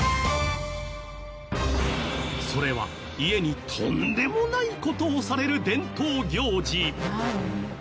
それは家にとんでもない事をされる伝統行事。